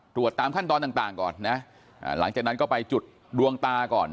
ตามขั้นตอนต่างก่อนนะหลังจากนั้นก็ไปจุดดวงตาก่อน